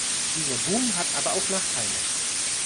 Dieser Boom hat aber auch Nachteile.